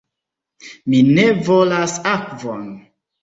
Mi ne volas akvon.